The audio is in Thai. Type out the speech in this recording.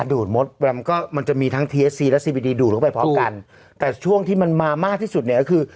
ดูดมดแรมก็มันจะมีทั้งทีเอสซีและซีวิดีดูดเข้าไปพร้อมกันแต่ช่วงที่มันมามากที่สุดเนี่ยก็คือ